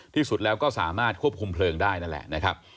ที่สุดแล้วก็สามารถควบคุมเพลิงได้นั่นแหละนะครับ